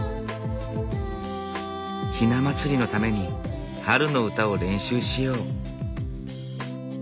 ひな祭りのために春の歌を練習しよう。